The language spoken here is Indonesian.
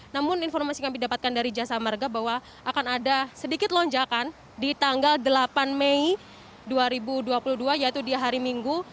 namun informasi kami dapatkan dari jasa marga bahwa akan ada sedikit lonjakan di tanggal delapan mei dua ribu dua puluh dua yaitu di hari minggu